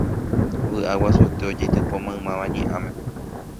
Vy'a guasuete ojaitypo maymáva ñe'ãme.